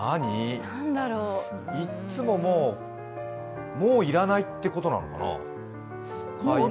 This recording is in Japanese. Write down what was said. いっつも、もうもういらないってことなのかな？